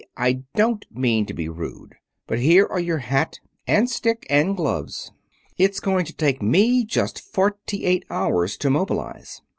I don't mean to be rude. But here are your hat and stick and gloves. It's going to take me just forty eight hours to mobilize."